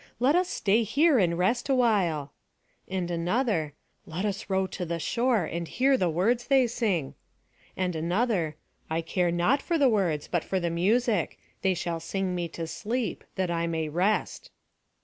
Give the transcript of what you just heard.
Let us stay here and rest awhile." And another, "Let us row to the shore, and hear the words they sing." And another, "I care not for the words, but for the music. They shall sing me to sleep, that I may rest."